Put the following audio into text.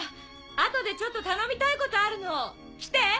後でちょっと頼みたいことあるの来て。